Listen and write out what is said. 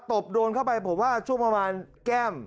ตบโดนเข้าไปผมว่าช่วงประมาณแก้ม